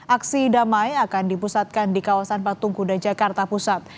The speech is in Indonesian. aksi damai akan dipusatkan di kawasan patung kuda jakarta pusat